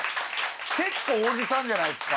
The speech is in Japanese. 結構おじさんじゃないですか？